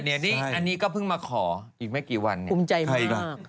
อันนี้ก็เมื่อกี่วันเพิ่งมาขอ